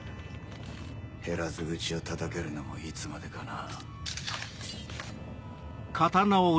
減らず口を叩けるのもいつまでかな。